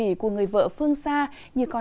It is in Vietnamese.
em nghe đệ nhờ